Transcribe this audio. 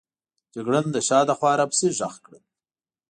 جګړن د شا له خوا را پسې ږغ کړل.